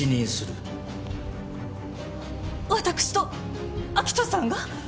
私と明人さんが？